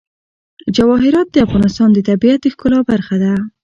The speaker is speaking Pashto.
جواهرات د افغانستان د طبیعت د ښکلا برخه ده.